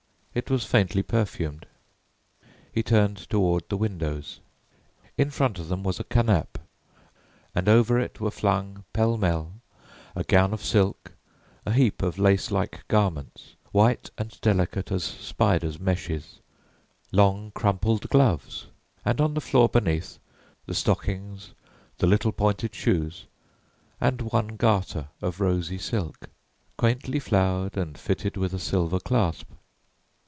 It was faintly perfumed. He turned toward the windows. In front of them was a canapé and over it were flung, pell mell, a gown of silk, a heap of lace like garments, white and delicate as spiders' meshes, long, crumpled gloves, and, on the floor beneath, the stockings, the little pointed shoes, and one garter of rosy silk, quaintly flowered and fitted with a silver clasp.